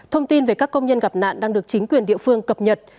thông tin về các công nhân gặp nạn đang được chính quyền địa phương cập nhật